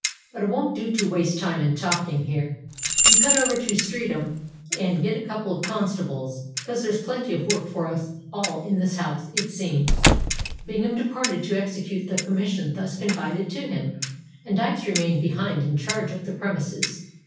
But it wont do to waste time in talking here. You cut over to Streatham and get a couple of constables—'cos there's plenty of work for us all in this house, it seems." Bingham departed to execute the commission thus confided to him; and Dykes remained behind in charge of the premises.